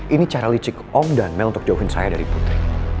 ini cara licik om dan mel untuk jauhin saya dari putri